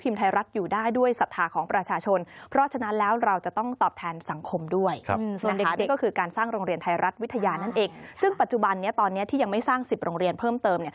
ไม่สร้าง๑๐โรงเรียนเพิ่มเติม